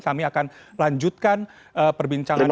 kami akan langsung menjawab pertanyaan terakhir